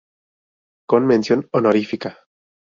Con Mención Honorífica.